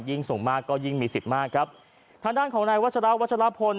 ส่งมากก็ยิ่งมีสิทธิ์มากครับทางด้านของนายวัชราวัชลพล